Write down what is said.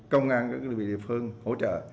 công an các đơn vị địa phương hỗ trợ